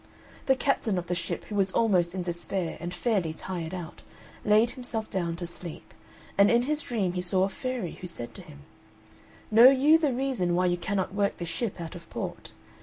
The captain of the ship, who was almost in despair and fairly tired out, laid himself down to sleep, and in his dream he saw a fairy, who said to him, "Know you the reason why you cannot work the ship out of port?